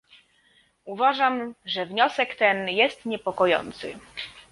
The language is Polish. Uważam, że wniosek ten jest niepokojący